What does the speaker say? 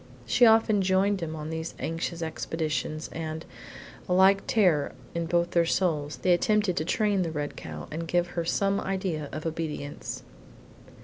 She often joined him on these anxious expeditions, and, a like terror in both their souls, they attempted to train the red cow and give her some idea of obedience.